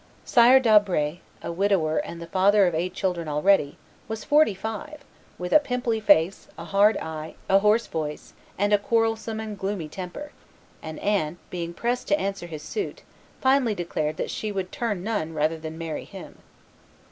Sire d'Albret, a widower and the father of eight children already, was forty five, with a pimply face, a hard eye, a hoarse voice, and a quarrelsome and gloomy temper; and Anne, being pressed to answer his suit, finally declared that she would turn nun rather than marry him.